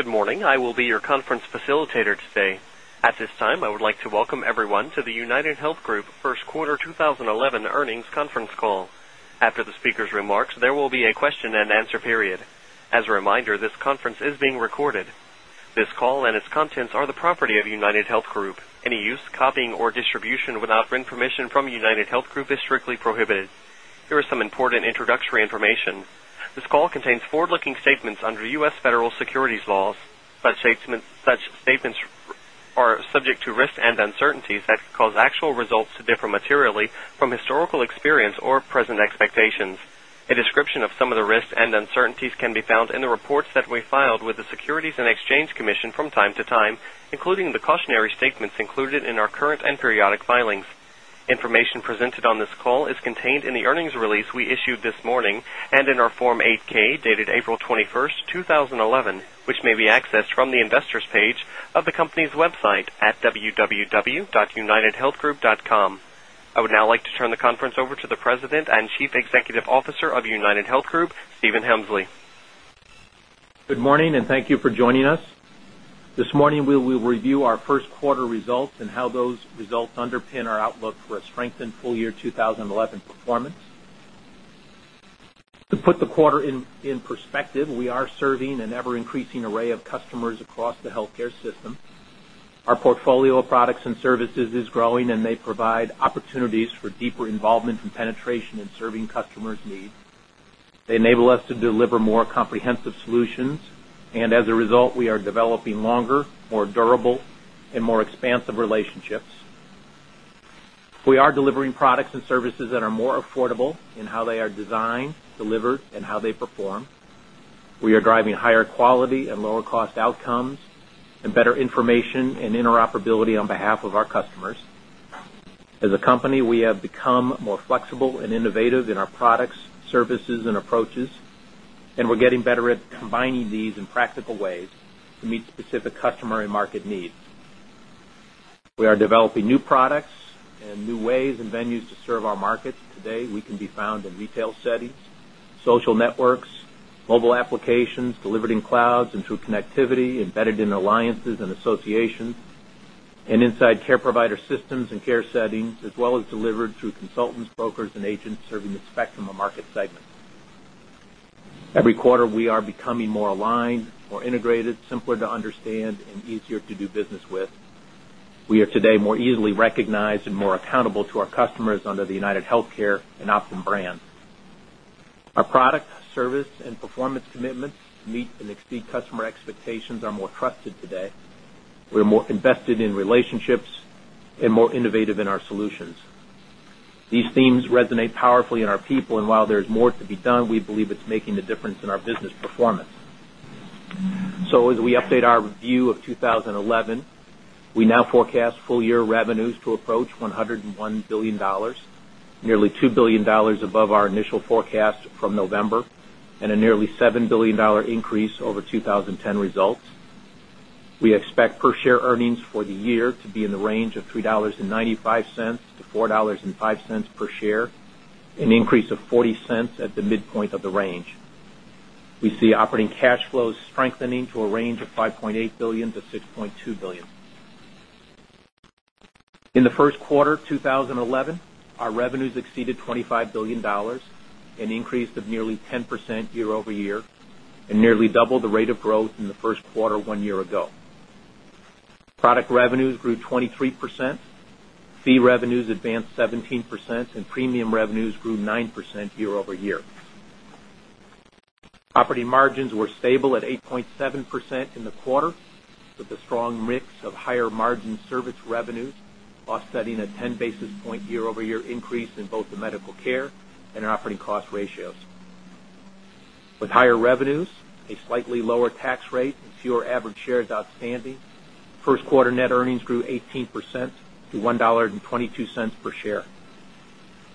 Good morning. I will be your conference facilitator today. At this time, I would like to welcome everyone to the UnitedHealth Group First Quarter 2011 Earnings Conference Call. After the speaker's remarks, there will be a question and answer period. As a reminder, this conference is being recorded. This call and its contents are the property of UnitedHealth Group. Any use, copying, or distribution without written permission from UnitedHealth Group is strictly prohibited. Here is some important introductory information. This call contains forward-looking statements under U.S. federal securities laws. Such statements are subject to risks and uncertainties that cause actual results to differ materially from historical experience or present expectations. A description of some of the risks and uncertainties can be found in the reports that we filed with the Securities and Exchange Commission from time to time, including the cautionary statements included in our current and periodic filings. Information presented on this call is contained in the earnings release we issued this morning and in our Form 8-K dated April 21, 2011, which may be accessed from the investors' page of the company's website at www.unitedhealthgroup.com. I would now like to turn the conference over to the President and Chief Executive Officer of UnitedHealth Group, Stephen Hemsley. Good morning and thank you for joining us. This morning, we will review our first quarter results and how those results underpin our outlook for a strengthened full-year 2011 performance. To put the quarter in perspective, we are serving an ever-increasing array of customers across the healthcare system. Our portfolio of products and services is growing and may provide opportunities for deeper involvement and penetration in serving customers' needs. They enable us to deliver more comprehensive solutions, and as a result, we are developing longer, more durable, and more expansive relationships. We are delivering products and services that are more affordable in how they are designed, delivered, and how they perform. We are driving higher quality and lower cost outcomes, and better information and interoperability on behalf of our customers. As a company, we have become more flexible and innovative in our products, services, and approaches, and we're getting better at combining these in practical ways to meet specific customer and market needs. We are developing new products and new ways and venues to serve our markets. Today, we can be found in retail settings, social networks, mobile applications, delivered in clouds and through connectivity, embedded in alliances and associations, and inside care provider systems and care settings, as well as delivered through consultants, brokers, and agents serving the spectrum of market segments. Every quarter, we are becoming more aligned, more integrated, simpler to understand, and easier to do business with. We are today more easily recognized and more accountable to our customers under the UnitedHealthcare and Optum brands. Our product, service, and performance commitments meet and exceed customer expectations and are more trusted today. We're more invested in relationships and more innovative in our solutions. These themes resonate powerfully in our people, and while there's more to be done, we believe it's making a difference in our business performance. As we update our view of 2011, we now forecast full-year revenues to approach $101 billion, nearly $2 billion above our initial forecast from November, and a nearly $7 billion increase over 2010 results. We expect per share earnings for the year to be in the range of $3.95-$4.05 per share, an increase of $0.40 at the midpoint of the range. We see operating cash flows strengthening to a range of $5.8 billion-$6.2 billion. In the first quarter of 2011, our revenues exceeded $25 billion, an increase of nearly 10% year-over-year, and nearly doubled the rate of growth in the first quarter one year ago. Product revenues grew 23%, fee revenues advanced 17%, and premium revenues grew 9% year-over-year. Operating margins were stable at 8.7% in the quarters, with a strong mix of higher margin service revenues offsetting a 10 basis point year-over-year increase in both the medical care and operating cost ratios. With higher revenues, a slightly lower tax rate, and fewer average shares outstanding, first quarter net earnings grew 18% to $1.22 per share.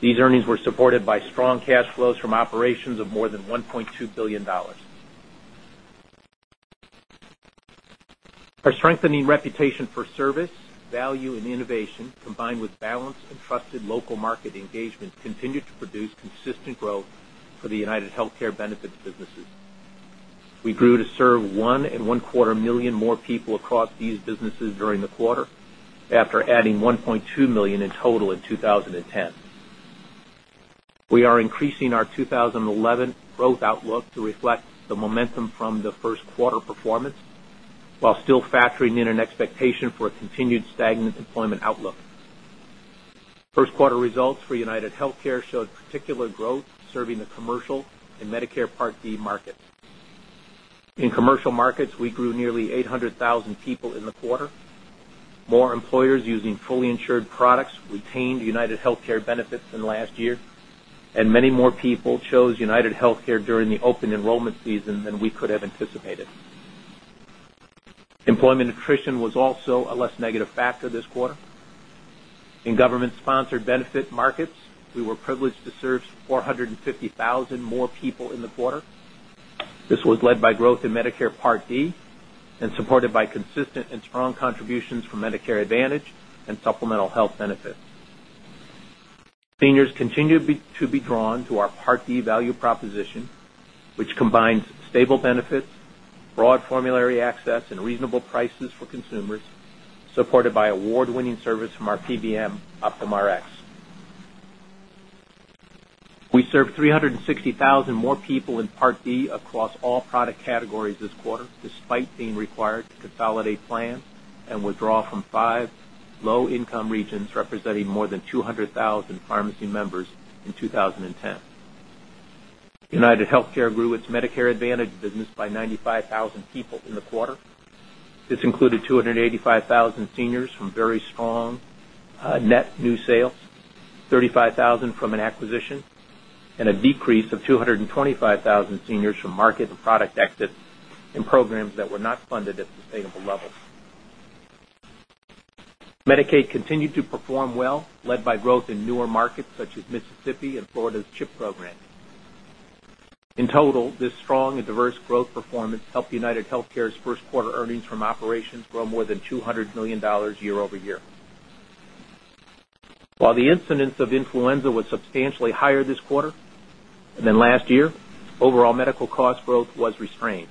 These earnings were supported by strong cash flows from operations of more than $1.2 billion. Our strengthening reputation for service, value, and innovation, combined with balanced and trusted local market engagement, continued to produce consistent growth for the UnitedHealthcare benefits businesses. We grew to serve one and one quarter million more people across these businesses during the quarter, after adding 1.2 million in total in 2010. We are increasing our 2011 growth outlook to reflect the momentum from the first quarter performance, while still factoring in an expectation for a continued stagnant employment outlook. First quarter results for UnitedHealthcare showed particular growth serving the commercial and Medicare Part D markets. In commercial markets, we grew nearly 800,000 people in the quarter. More employers using fully insured products retained UnitedHealthcare benefits in the last year, and many more people chose UnitedHealthcare during the open enrollment season than we could have anticipated. Employment attrition was also a less negative factor this quarter. In government-sponsored benefit markets, we were privileged to serve 450,000 more people in the quarter. This was led by growth in Medicare Part D and supported by consistent and strong contributions from Medicare Advantage and supplemental health benefits. Seniors continue to be drawn to our Part D value proposition, which combines stable benefits, broad formulary access, and reasonable prices for consumers, supported by award-winning service from our PBM, Optum Rx. We serve 360,000 more people in Part D across all product categories this quarter, despite being required to consolidate plan and withdraw from five low-income regions, representing more than 200,000 pharmacy members in 2010. UnitedHealthcare grew its Medicare Advantage business by 95,000 people in the quarter. This included 285,000 seniors from very strong net new sales, 35,000 from an acquisition, and a decrease of 225,000 seniors from market and product exits and programs that were not funded at sustainable levels. Medicaid continued to perform well, led by growth in newer markets such as Mississippi and Florida's CHIP program. In total, this strong and diverse growth performance helped UnitedHealthcare's first quarter earnings from operations grow more than $200 million year-over-year. While the incidence of influenza was substantially higher this quarter than last year, overall medical cost growth was restrained.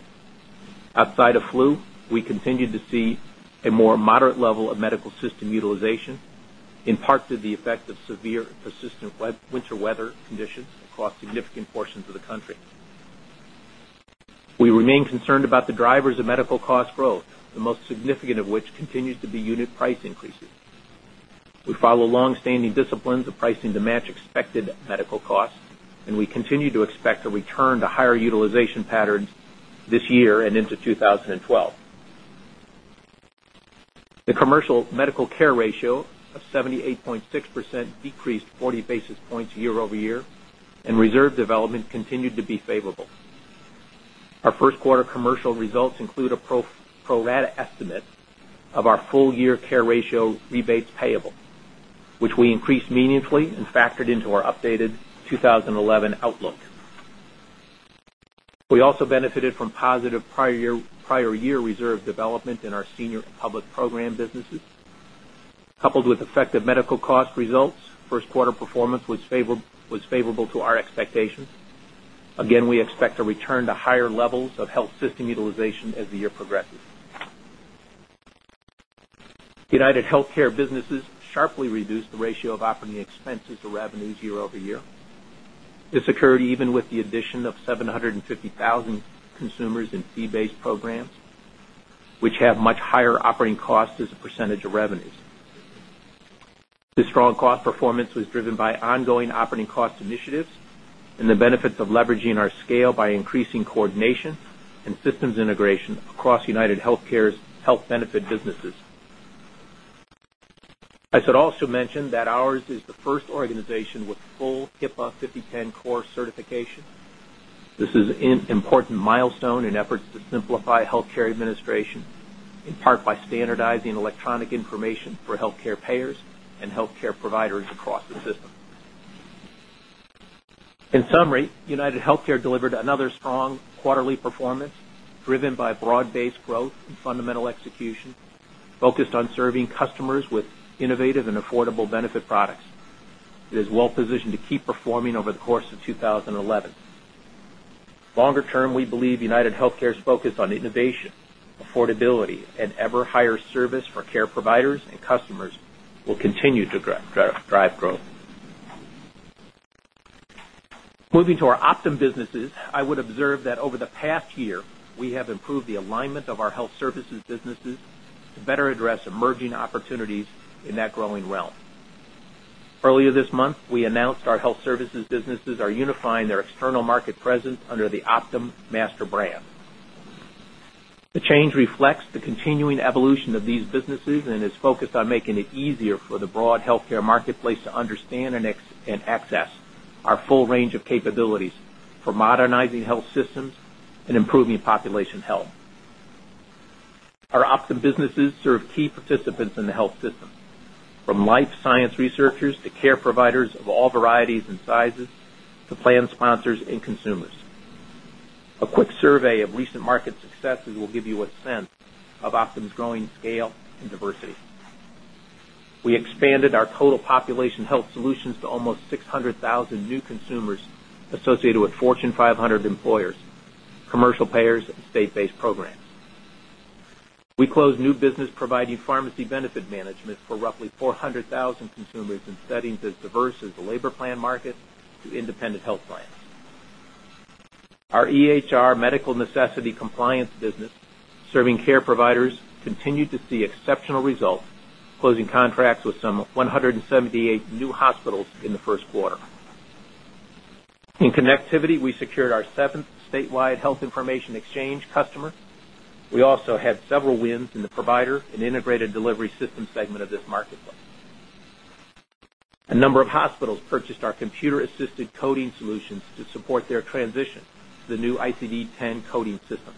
Outside of flu, we continued to see a more moderate level of medical system utilization, in part to the effect of severe and persistent winter weather conditions across significant portions of the country. We remain concerned about the drivers of medical cost growth, the most significant of which continues to be unit price increases. We follow longstanding disciplines of pricing to match expected medical costs, and we continue to expect a return to higher utilization patterns this year and into 2012. The commercial medical care ratio of 78.6% decreased 40 basis points year-over-year, and reserve development continued to be favorable. Our first quarter commercial results include a pro-rata estimate of our full-year care ratio rebates payable, which we increased meaningfully and factored into our updated 2011 outlook. We also benefited from positive prior year reserve development in our senior public program businesses. Coupled with effective medical cost results, first quarter performance was favorable to our expectations. Again, we expect a return to higher levels of health system utilization as the year progresses. UnitedHealthcare businesses sharply reduced the ratio of operating expenses to revenues year-over-year. This occurred even with the addition of 750,000 consumers in fee-based programs, which have much higher operating costs as a percentage of revenues. This strong cost performance was driven by ongoing operating cost initiatives and the benefits of leveraging our scale by increasing coordination and systems integration across UnitedHealthcare's health benefit businesses. I should also mention that ours is the first organization with full HIPAA 5010 core certification. This is an important milestone in efforts to simplify healthcare administration, in part by standardizing electronic information for healthcare payers and healthcare providers across the system. In summary, UnitedHealthcare delivered another strong quarterly performance driven by broad-based growth and fundamental execution, focused on serving customers with innovative and affordable benefit products. It is well-positioned to keep performing over the course of 2011. Longer term, we believe UnitedHealthcare's focus on innovation, affordability, and ever-higher service for care providers and customers will continue to drive growth. Moving to our Optum businesses, I would observe that over the past year, we have improved the alignment of our health services businesses to better address emerging opportunities in that growing realm. Earlier this month, we announced our health services businesses are unifying their external market presence under the Optum master brand. The change reflects the continuing evolution of these businesses and is focused on making it easier for the broad healthcare marketplace to understand and access our full range of capabilities for modernizing health systems and improving population health. Our Optum businesses serve key participants in the health system, from life science researchers to care providers of all varieties and sizes to plan sponsors and consumers. A quick survey of recent market successes will give you a sense of Optum's growing scale and diversity. We expanded our total population health solutions to almost 600,000 new consumers associated with Fortune 500 employers, commercial payers, and state-based programs. We closed new business providing pharmacy benefit management for roughly 400,000 consumers in settings as diverse as the labor plan markets to independent health plans. Our EHR medical necessity compliance business serving care providers continued to see exceptional results, closing contracts with some 178 new hospitals in the first quarter. In connectivity, we secured our seventh statewide health information exchange customer. We also had several wins in the provider and integrated delivery system segment of this marketplace. A number of hospitals purchased our computer-assisted coding solutions to support their transition to the new ICD-10 coding system.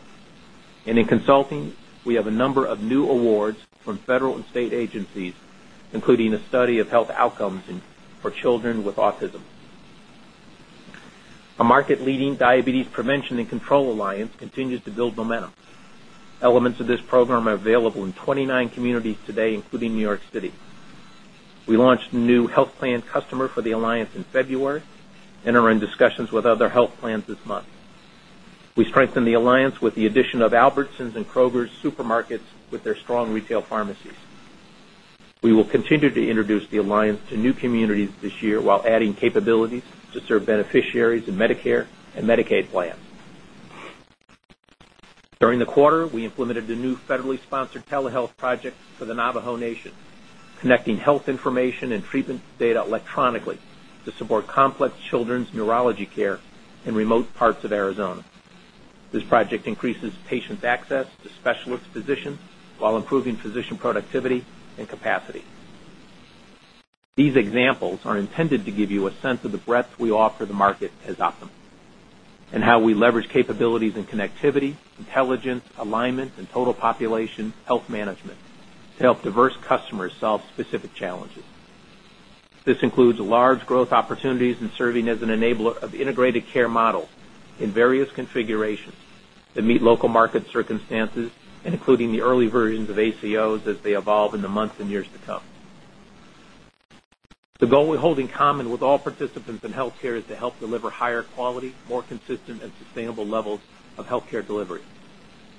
In consulting, we have a number of new awards from federal and state agencies, including a study of health outcomes for children with autism. A market-leading diabetes prevention and control alliance continues to build momentum. Elements of this program are available in 29 communities today, including New York City. We launched a new health plan customer for the alliance in February and are in discussions with other health plans this month. We strengthened the alliance with the addition of Albertsons and Kroger supermarkets with their strong retail pharmacies. We will continue to introduce the alliance to new communities this year while adding capabilities to serve beneficiaries in Medicare and Medicaid plans. During the quarter, we implemented a new federally sponsored telehealth project for the Navajo Nation, connecting health information and treatment data electronically to support complex children's neurology care in remote parts of Arizona. This project increases patient access to specialist physicians while improving physician productivity and capacity. These examples are intended to give you a sense of the breadth we offer the market as Optum and how we leverage capabilities in connectivity, intelligence, alignment, and total population health management to help diverse customers solve specific challenges. This includes large growth opportunities in serving as an enabler of integrated care models in various configurations that meet local market circumstances, including the early versions of ACOs as they evolve in the months and years to come. The goal we hold in common with all participants in healthcare is to help deliver higher quality, more consistent, and sustainable levels of healthcare delivery,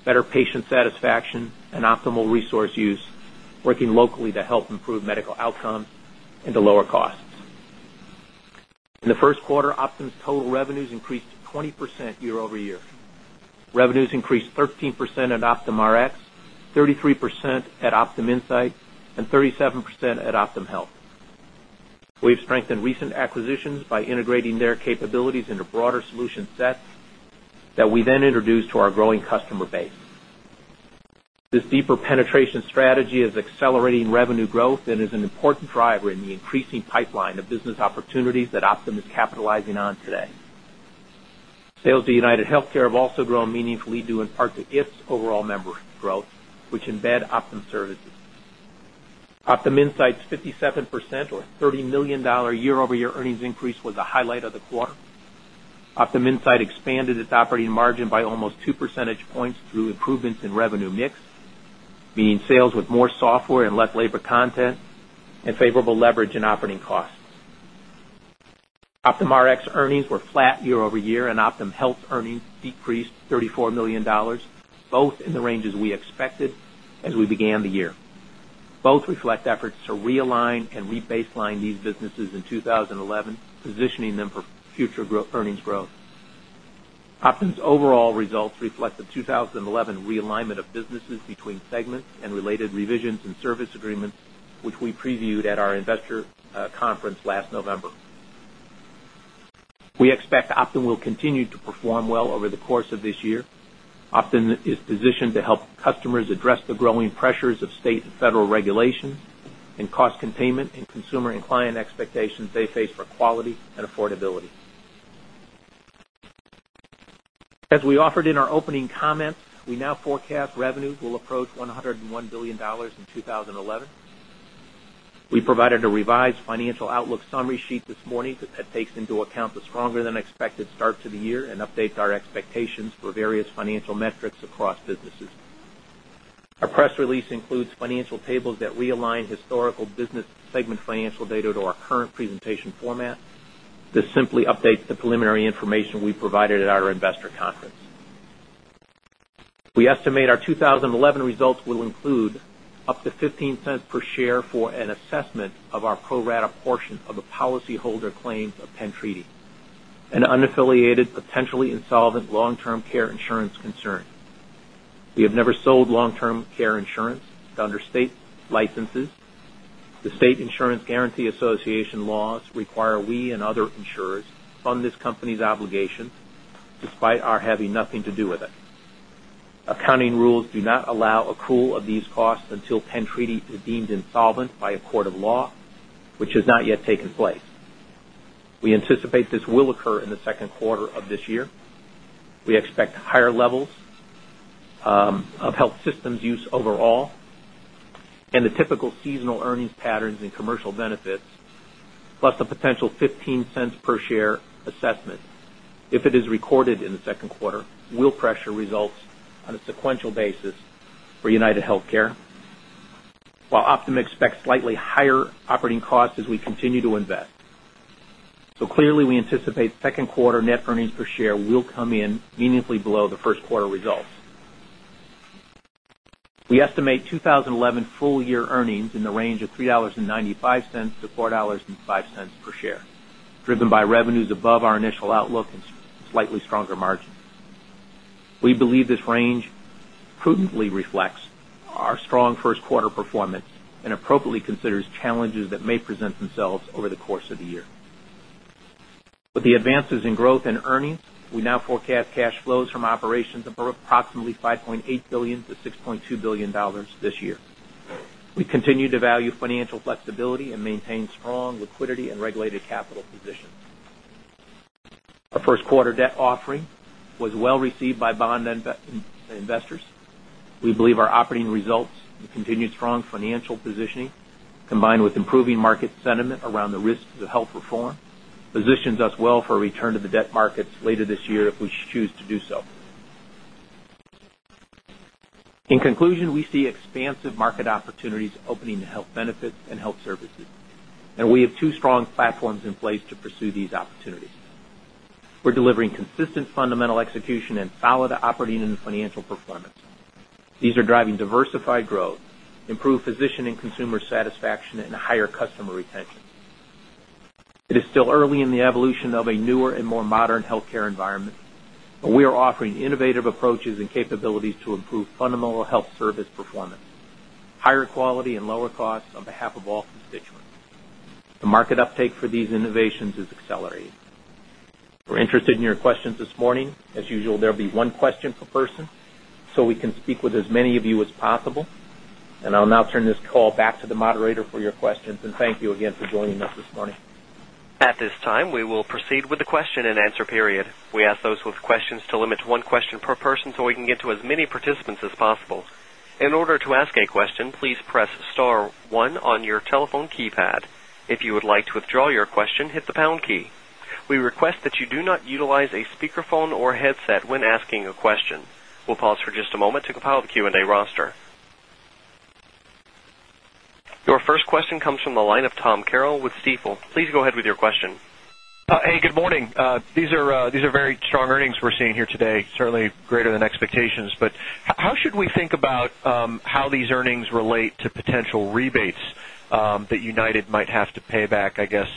better patient satisfaction, and optimal resource use, working locally to help improve medical outcomes and to lower costs. In the first quarter, Optum's total revenues increased 20% year-over-year. Revenues increased 13% at Optum Rx, 33% at Optum Insight, and 37% at Optum Health. We've strengthened recent acquisitions by integrating their capabilities into broader solution sets that we then introduced to our growing customer base. This deeper penetration strategy is accelerating revenue growth and is an important driver in the increasing pipeline of business opportunities that Optum is capitalizing on today. Sales to UnitedHealthcare have also grown meaningfully, due in part to its overall member growth, which embed Optum services. Optum Insight's 57% or $30 million year-over-year earnings increase was a highlight of the quarter. Optum Insight expanded its operating margin by almost 2 percentage points through improvements in revenue mix, meaning sales with more software and less labor content, and favorable leverage in operating costs. Optum Rx's earnings were flat year-over-year, and Optum Health's earnings decreased $34 million, both in the ranges we expected as we began the year. Both reflect efforts to realign and rebaseline these businesses in 2011, positioning them for future earnings growth. Optum's overall results reflect the 2011 realignment of businesses between segments and related revisions and service agreements, which we previewed at our investor conference last November. We expect Optum will continue to perform well over the course of this year. Optum is positioned to help customers address the growing pressures of state and federal regulations and cost containment, and consumer and client expectations they face for quality and affordability. As we offered in our opening comments, we now forecast revenues will approach $101 billion in 2011. We provided a revised financial outlook summary sheet this morning that takes into account the stronger than expected start to the year and updates our expectations for various financial metrics across businesses. Our press release includes financial tables that realign historical business segment financial data to our current presentation format. This simply updates the preliminary information we provided at our investor conference. We estimate our 2011 results will include up to $0.15 per share for an assessment of our pro-rata portion of a policyholder claim of Penn Treaty, an unaffiliated, potentially insolvent long-term care insurance concern. We have never sold long-term care insurance to understate licenses. The State Insurance Guaranty Association laws require we and other insurers fund this company's obligations despite our having nothing to do with it. Accounting rules do not allow accrual of these costs until Penn Treaty is deemed insolvent by a court of law, which has not yet taken place. We anticipate this will occur in the second quarter of this year. We expect higher levels of health systems use overall and the typical seasonal earnings patterns in commercial benefits, plus the potential $0.15 per share assessment. If it is recorded in the second quarter, it will pressure results on a sequential basis for UnitedHealthcare, while Optum expects slightly higher operating costs as we continue to invest. Clearly, we anticipate second quarter net earnings per share will come in meaningfully below the first quarter results. We estimate 2011 full-year earnings in the range of $3.95-$4.05 per share, driven by revenues above our initial outlook and slightly stronger margins. We believe this range prudently reflects our strong first quarter performance and appropriately considers challenges that may present themselves over the course of the year. With the advances in growth and earnings, we now forecast cash flows from operations of approximately $5.8 billion-$6.2 billion this year. We continue to value financial flexibility and maintain strong liquidity and regulated capital positions. Our first quarter debt offering was well received by bond investors. We believe our operating results and continued strong financial positioning, combined with improving market sentiment around the risks of health reform, position us well for a return to the debt markets later this year if we choose to do so. In conclusion, we see expansive market opportunities opening to health benefits and health services, and we have two strong platforms in place to pursue these opportunities. We're delivering consistent fundamental execution and solid operating and financial performance. These are driving diversified growth, improved physician and consumer satisfaction, and higher customer retention. It is still early in the evolution of a newer and more modern healthcare environment, but we are offering innovative approaches and capabilities to improve fundamental health service performance, higher quality, and lower costs on behalf of all constituents. The market uptake for these innovations is accelerating. We're interested in your questions this morning. As usual, there will be one question per person so we can speak with as many of you as possible. I'll now turn this call back to the moderator for your questions, and thank you again for joining us this morning. At this time, we will proceed with the question and answer period. We ask those with questions to limit to one question per person so we can get to as many participants as possible. In order to ask a question, please press star one on your telephone keypad. If you would like to withdraw your question, hit the pound key. We request that you do not utilize a speakerphone or headset when asking a question. We'll pause for just a moment to compile the Q&A roster. Your first question comes from the line of Tom Carroll with Stifel. Please go ahead with your question. Hey, good morning. These are very strong earnings we're seeing here today, certainly greater than expectations. How should we think about how these earnings relate to potential rebates that UnitedHealth Group might have to pay back, I guess,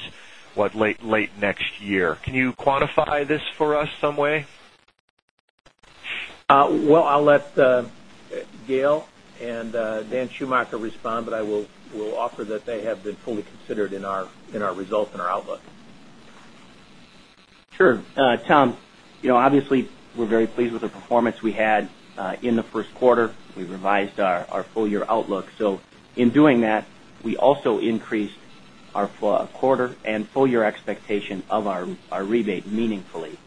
what, late next year? Can you quantify this for us some way? I will let Gail and Dan Schumacher respond, but I will offer that they have been fully considered in our results and our outlook. Sure. Tom, you know, obviously, we're very pleased with the performance we had in the first quarter. We revised our full-year outlook. In doing that, we also increased our quarter and full-year expectation of our rebate meaningfully.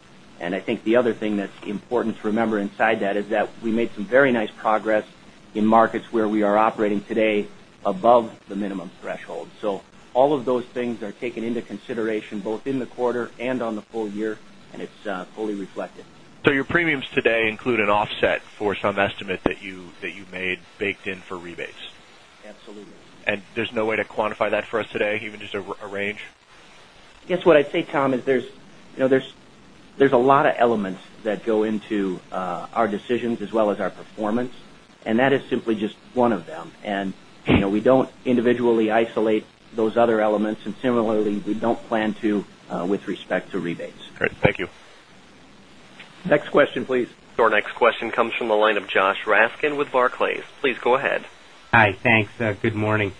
I think the other thing that's important to remember inside that is that we made some very nice progress in markets where we are operating today above the minimum threshold. All of those things are taken into consideration both in the quarter and on the full year, and it's fully reflected. Your premiums today include an offset for some estimate that you made baked in for rebates. Absolutely. Is there no way to quantify that for us today, even just a range? What I'd say, Tom, is there's a lot of elements that go into our decisions as well as our performance, and that is simply just one of them. We don't individually isolate those other elements, and similarly, we don't plan to with respect to rebates. All right. Thank you. Next question, please. Our next question comes from the line of Josh Raskin with Barclays. Please go ahead. Hi. Thanks. Good morning.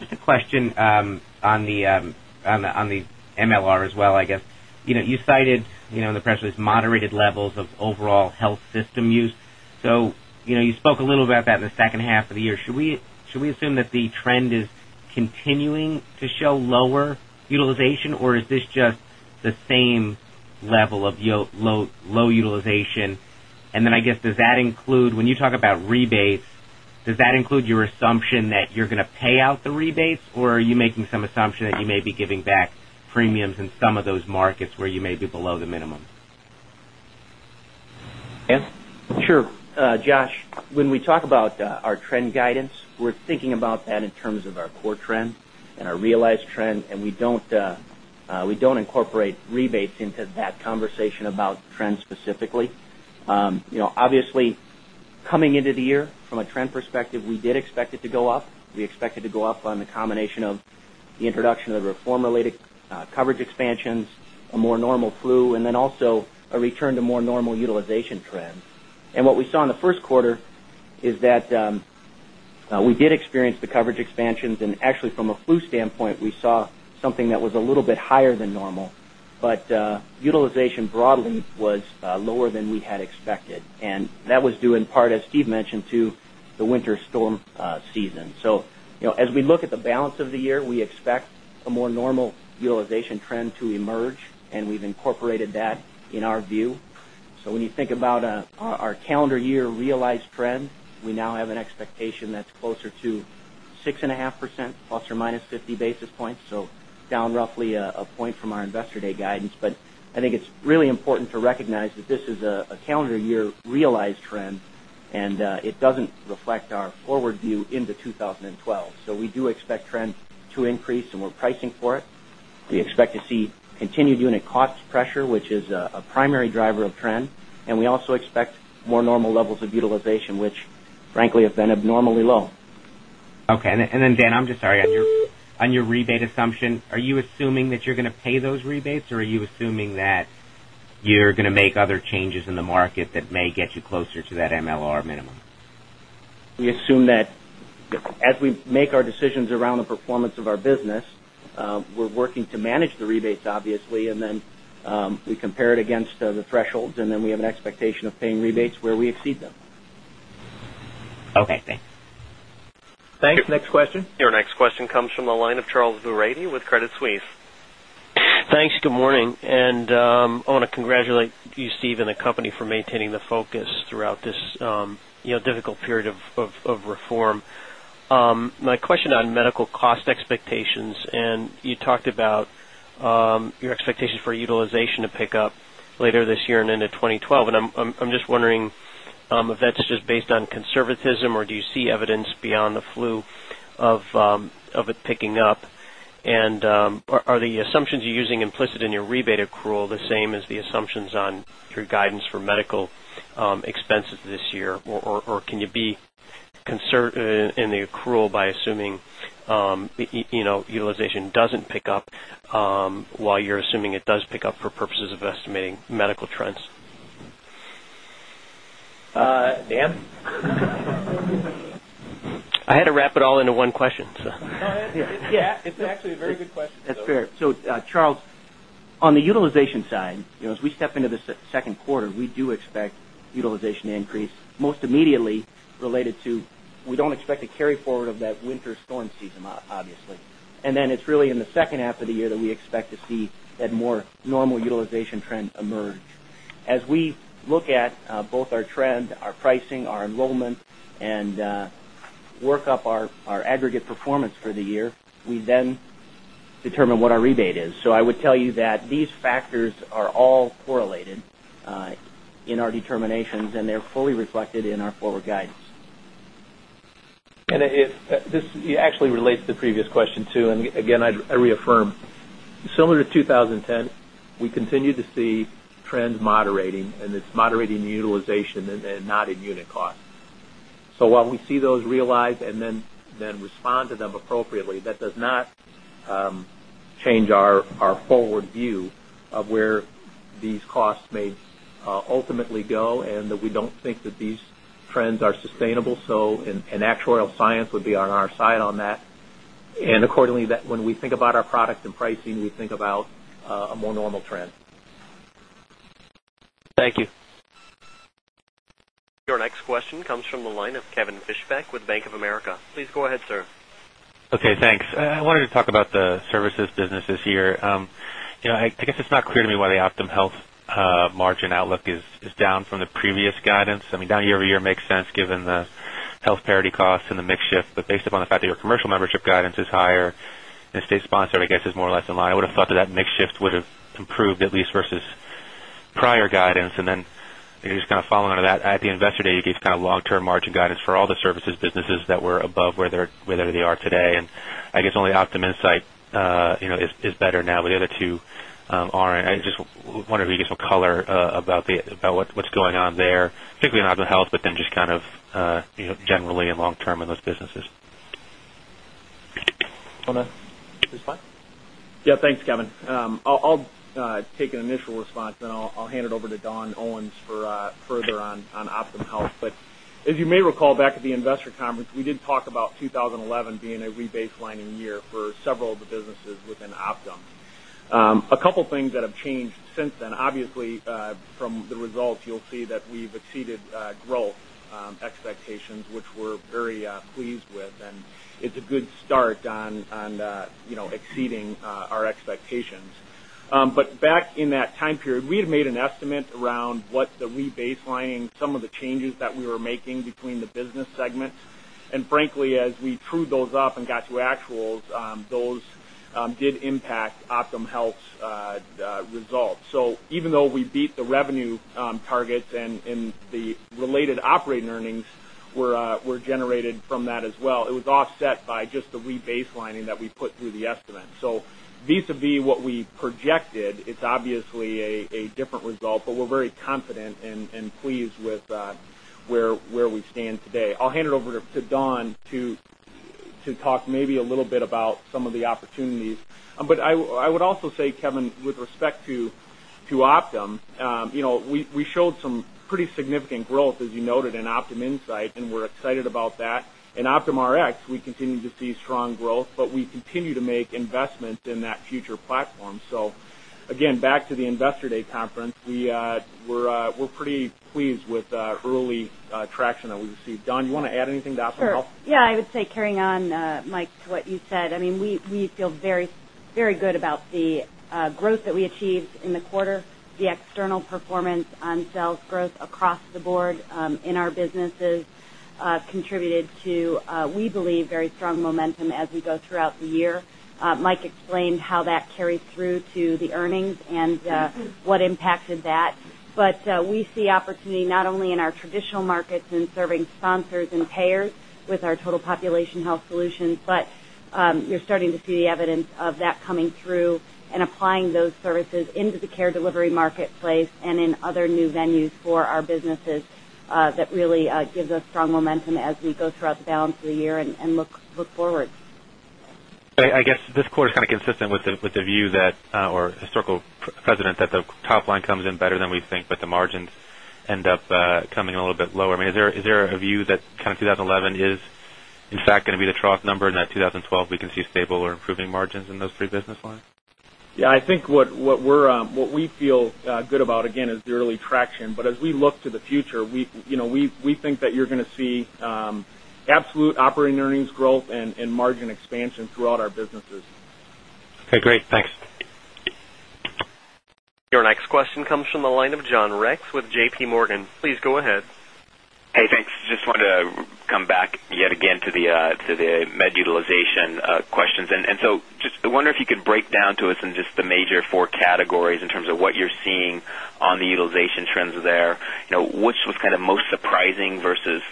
Just a question on the medical loss ratio as well, I guess. You cited in the press release moderated levels of overall health system use. You spoke a little about that in the second half of the year. Should we assume that the trend is continuing to show lower utilization, or is this just the same level of low utilization? Does that include, when you talk about rebates, your assumption that you're going to pay out the rebates, or are you making some assumption that you may be giving back premiums in some of those markets where you may be below the minimum? Sure. Josh, when we talk about our trend guidance, we're thinking about that in terms of our core trend and our realized trend, and we don't incorporate rebates into that conversation about trends specifically. Obviously, coming into the year from a trend perspective, we did expect it to go up. We expected it to go up on the combination of the introduction of the reform-related coverage expansions, a more normal flu, and also a return to more normal utilization trend. What we saw in the first quarter is that we did experience the coverage expansions, and actually, from a flu standpoint, we saw something that was a little bit higher than normal, but utilization broadly was lower than we had expected. That was due in part, as Steve mentioned, to the winter storm season. As we look at the balance of the year, we expect a more normal utilization trend to emerge, and we've incorporated that in our view. When you think about our calendar year realized trend, we now have an expectation that's closer to 6.5% ± 50 basis points, so down roughly a point from our Investor Day guidance. I think it's really important to recognize that this is a calendar year realized trend, and it doesn't reflect our forward view into 2012. We do expect trend to increase, and we're pricing for it. We expect to see continued unit cost pressure, which is a primary driver of trend, and we also expect more normal levels of utilization, which frankly have been abnormally low. Okay. Dan, I'm just sorry. On your rebate assumption, are you assuming that you're going to pay those rebates, or are you assuming that you're going to make other changes in the market that may get you closer to that MLR minimum? We assume that as we make our decisions around the performance of our business, we're working to manage the rebates, obviously, and then we compare it against the thresholds, and then we have an expectation of paying rebates where we exceed them. Okay. Thanks. Thanks. Next question. Your next question comes from the line of Charles Burrati with Credit Suisse. Thanks. Good morning. I want to congratulate you, Steve, and the company for maintaining the focus throughout this difficult period of reform. My question on medical cost expectations: you talked about your expectations for utilization to pick up later this year and into 2012. I'm just wondering if that's just based on conservatism, or do you see evidence beyond the flu of it picking up? Are the assumptions you're using implicit in your rebate accrual the same as the assumptions on your guidance for medical expenses this year, or can you be concerned in the accrual by assuming utilization doesn't pick up while you're assuming it does pick up for purposes of estimating medical trends? Dan? I had to wrap it all into one question. No, it's actually a very good question. That's fair. Charles, on the utilization side, as we step into the second quarter, we do expect utilization to increase most immediately related to we don't expect a carry forward of that winter storm season, obviously. It's really in the second half of the year that we expect to see that more normal utilization trend emerge. As we look at both our trend, our pricing, our enrollment, and work up our aggregate performance for the year, we then determine what our rebate is. I would tell you that these factors are all correlated in our determinations, and they're fully reflected in our forward guidance. This actually relates to the previous question too. Again, I reaffirm. Similar to 2010, we continue to see trends moderating, and it's moderating in utilization and not in unit cost. While we see those realized and then respond to them appropriately, that does not change our forward view of where these costs may ultimately go. We don't think that these trends are sustainable. Actuarial science would be on our side on that. Accordingly, when we think about our product and pricing, we think about a more normal trend. Thank you. Your next question comes from the line of Kevin Fischbeck with Bank of America. Please go ahead, sir. Okay. Thanks. I wanted to talk about the services business this year. I guess it's not clear to me why the Optum Health margin outlook is down from the previous guidance. I mean, down year-over-year makes sense given the health parity costs and the mix shift. Based upon the fact that your commercial membership guidance is higher and state-sponsored, I guess, is more or less in line, I would have thought that that mix shift would have improved at least versus prior guidance. You're just kind of following on to that. At the Investor Day, you gave kind of long-term margin guidance for all the services businesses that were above where they are today. I guess only Optum Insight is better now, but the other two aren't. I just wonder if you could give some color about what's going on there, particularly in Optum Health, but then just kind of generally and long-term in those businesses. Donna, please go ahead. Yeah. Thanks, Kevin. I'll take an initial response, and then I'll hand it over to Dawn Owens for further on Optum Health. As you may recall, back at the Investor Conference, we did talk about 2011 being a rebaselining year for several of the businesses within Optum. A couple of things have changed since then. Obviously, from the results, you'll see that we've exceeded growth expectations, which we're very pleased with. It's a good start on exceeding our expectations. Back in that time period, we had made an estimate around what's the rebaselining, some of the changes that we were making between the business segments. Frankly, as we true those up and got to actuals, those did impact Optum Health's results. Even though we beat the revenue targets and the related operating earnings were generated from that as well, it was offset by just the rebaselining that we put through the estimate. Vis-à-vis what we projected, it's obviously a different result, but we're very confident and pleased with where we stand today. I'll hand it over to Dawn to talk maybe a little bit about some of the opportunities. I would also say, Kevin, with respect to Optum, you know we showed some pretty significant growth, as you noted, in Optum Insight, and we're excited about that. In Optum Rx, we continue to see strong growth, but we continue to make investments in that future platform. Back to the Investor Day conference, we're pretty pleased with early traction that we received. Dawn, you want to add anything to Optum Health? Yeah. I would say carrying on, Mike, to what you said, I mean, we feel very, very good about the growth that we achieved in the quarter. The external performance on sales growth across the board in our businesses contributed to, we believe, very strong momentum as we go throughout the year. Mike explained how that carried through to the earnings and what impacted that. We see opportunity not only in our traditional markets in serving sponsors and payers with our total population health solutions, but you're starting to see the evidence of that coming through and applying those services into the care delivery marketplace and in other new venues for our businesses. That really gives us strong momentum as we go throughout the balance of the year and look forward. I guess this quarter is kind of consistent with the view that our historical precedent is that the top line comes in better than we think, but the margins end up coming a little bit lower. Is there a view that 2011 is, in fact, going to be the trough number and that 2012 we can see stable or improving margins in those three business lines? I think what we feel good about, again, is the early traction. As we look to the future, we think that you're going to see absolute operating earnings growth and margin expansion throughout our businesses. Okay. Great, thanks. Your next question comes from the line of John Rex with JPMorgan. Please go ahead. Hey, thanks. Just wanted to come back yet again to the med utilization questions. I wonder if you could break down to us in just the major four categories in terms of what you're seeing on the utilization trends there. Which was kind of most surprising versus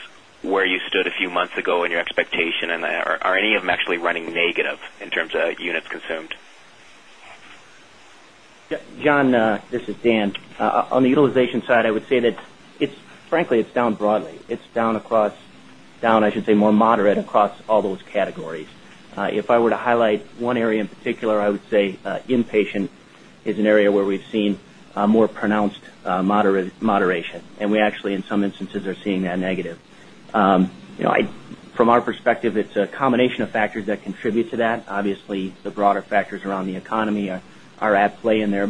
where you stood a few months ago in your expectation? Are any of them actually running negative in terms of units consumed? John, this is Dan. On the utilization side, I would say that it's frankly, it's down broadly. It's down, I should say, more moderate across all those categories. If I were to highlight one area in particular, I would say inpatient is an area where we've seen more pronounced moderation. We actually, in some instances, are seeing that negative. From our perspective, it's a combination of factors that contribute to that. Obviously, the broader factors around the economy are at play in there.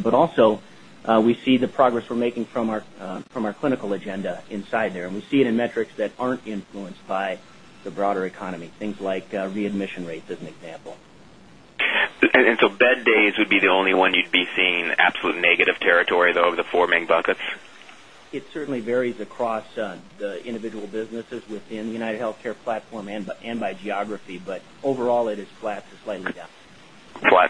We also see the progress we're making from our clinical agenda inside there. We see it in metrics that aren't influenced by the broader economy, things like readmission rates as an example. Bed days would be the only one you'd be seeing in absolute negative territory, though, of the four main buckets. It certainly varies across the individual businesses within the UnitedHealthcare platform and by geography. Overall, it is flat to slightly down. Flat.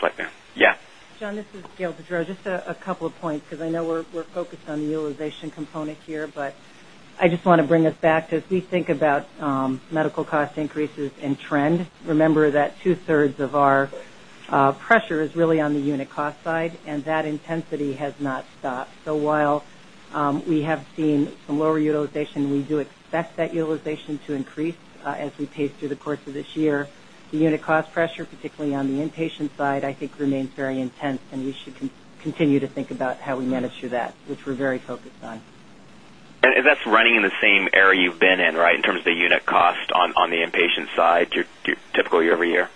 Flat. Yeah. John, this is Gail Boudreaux. Just a couple of points because I know we're focused on the utilization component here, but I just want to bring us back to as we think about medical cost increases and trend. Remember that two-thirds of our pressure is really on the unit cost side, and that intensity has not stopped. While we have seen some lower utilization, we do expect that utilization to increase as we pace through the course of this year. The unit cost pressure, particularly on the inpatient side, I think remains very intense, and we should continue to think about how we manage through that, which we're very focused on. That's running in the same area you've been in, right, in terms of the unit cost on the inpatient side, typical year-over-year?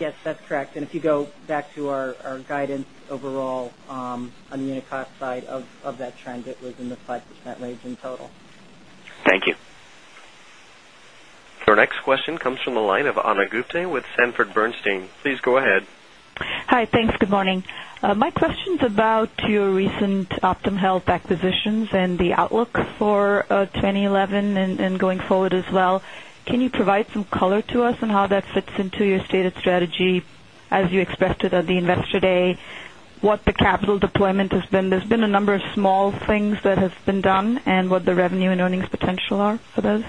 Yes, that's correct. If you go back to our guidance overall on the unit cost side of that trend, it was in the 5% range in total. Thank you. Our next question comes from the line of Ana [Goutain] with Bernstein. Please go ahead. Hi. Thanks. Good morning. My question is about your recent Optum Health acquisitions and the outlook for 2011 and going forward as well. Can you provide some color to us on how that fits into your stated strategy as you expressed it at the Investor Day? What the capital deployment has been. There's been a number of small things that have been done and what the revenue and earnings potential are for those.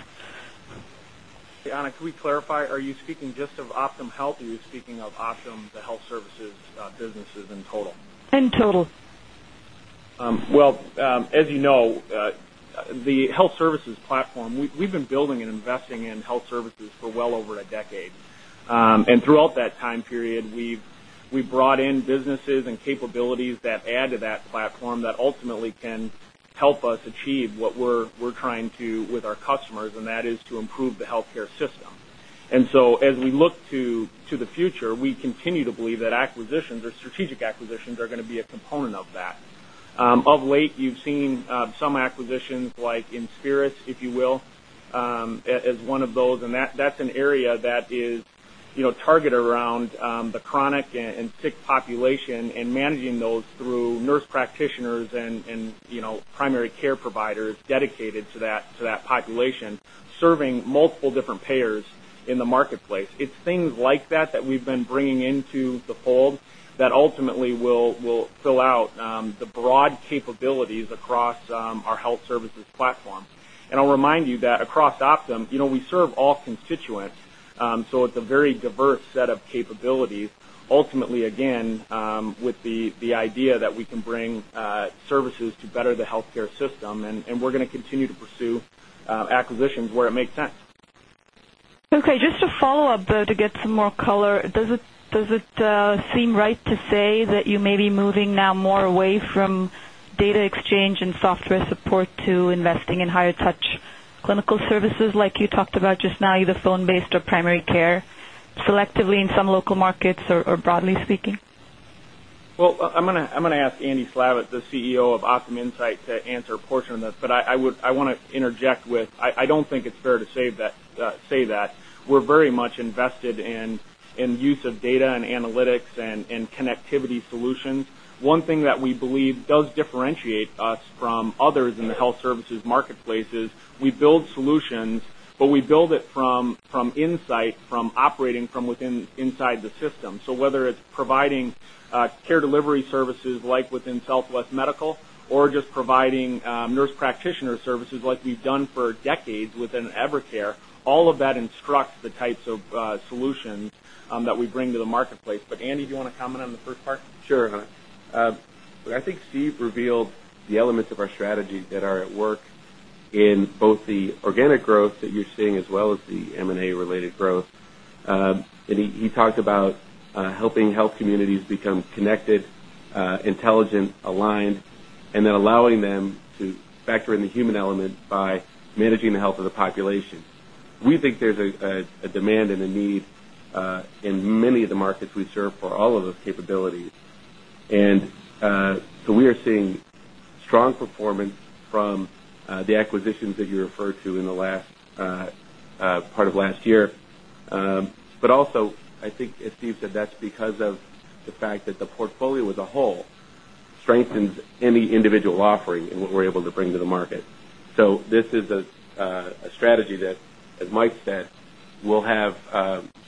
Ana, can we clarify, are you speaking just of Optum Health, or are you speaking of Optum, the health services businesses in total? In total. As you know, the health services platform, we've been building and investing in health services for well over a decade. Throughout that time period, we brought in businesses and capabilities that add to that platform that ultimately can help us achieve what we're trying to with our customers, and that is to improve the healthcare system. As we look to the future, we continue to believe that acquisitions or strategic acquisitions are going to be a component of that. Of late, you've seen some acquisitions like Inspiris, if you will, as one of those. That's an area that is targeted around the chronic and sick population and managing those through nurse practitioners and primary care providers dedicated to that population, serving multiple different payers in the marketplace. It's things like that that we've been bringing into the fold that ultimately will fill out the broad capabilities across our health services platform. I'll remind you that across Optum, you know we serve all constituents. It's a very diverse set of capabilities, ultimately, again, with the idea that we can bring services to better the healthcare system. We're going to continue to pursue acquisitions where it makes sense. Okay. Just to follow up, to get some more color, does it seem right to say that you may be moving now more away from data exchange and software support to investing in higher touch clinical services like you talked about just now, either phone-based or primary care, selectively in some local markets or broadly speaking? I'm going to ask Andy Slavitt, the CEO of Optum Insight, to answer a portion of this. I want to interject with I don't think it's fair to say that we're very much invested in the use of data and analytics and connectivity solutions. One thing that we believe does differentiate us from others in the health services marketplace is we build solutions, but we build it from insights, from operating from within inside the system. Whether it's providing care delivery services like within Southwest Medical or just providing nurse practitioner services like we've done for decades within Evercare, all of that instructs the types of solutions that we bring to the marketplace. Andy, do you want to comment on the first part? Sure, Ana. I think Steve revealed the elements of our strategy that are at work in both the organic growth that you're seeing as well as the M&A-related growth. He talked about helping health communities become connected, intelligent, aligned, and then allowing them to factor in the human element by managing the health of the population. We think there's a demand and a need in many of the markets we serve for all of those capabilities. We are seeing strong performance from the acquisitions that you referred to in the last part of last year. I think, as Steve said, that's because of the fact that the portfolio as a whole strengthens any individual offering and what we're able to bring to the market. This is a strategy that, as Mike said, will have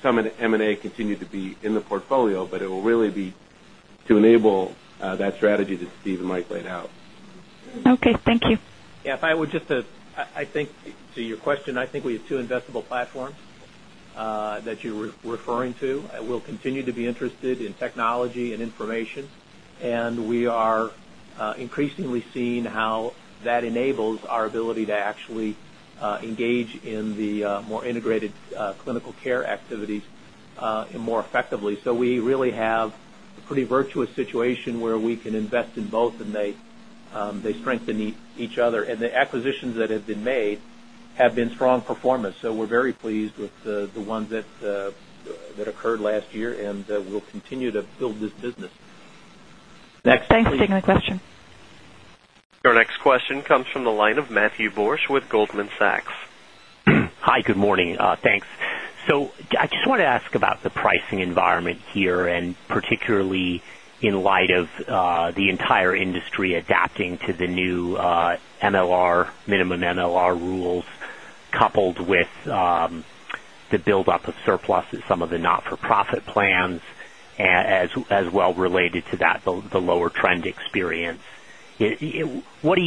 some M&A continue to be in the portfolio, but it will really be to enable that strategy that Steve and Mike laid out. Okay, thank you. If I were just to, I think, to your question, I think we have two investable platforms that you're referring to. We'll continue to be interested in technology and information. We are increasingly seeing how that enables our ability to actually engage in the more integrated clinical care activities more effectively. We really have a pretty virtuous situation where we can invest in both, and they strengthen each other. The acquisitions that have been made have been strong performance. We're very pleased with the ones that occurred last year and will continue to build this business. Thanks for taking the question. Our next question comes from the line of Matthew Borsch with Goldman Sachs. Hi. Good morning. Thanks. I just want to ask about the pricing environment here, particularly in light of the entire industry adapting to the new minimum medical loss ratio (MLR) rules, coupled with the build-up of surplus at some of the not-for-profit plans. As well, related to that, the lower trend experience. What are